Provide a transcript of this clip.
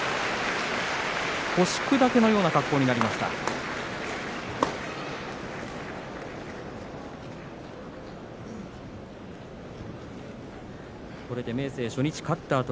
腰くだけのような格好になりました。